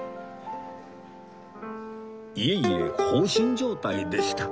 いえいえ放心状態でした